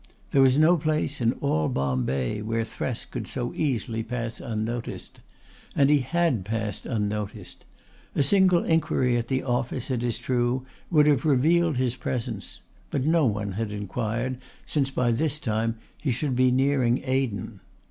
There was no place in all Bombay where Thresk could so easily pass unnoticed. And he had passed unnoticed. A single inquiry at the office, it is true, would have revealed his presence, but no one had inquired, since by this time he should be nearing Aden.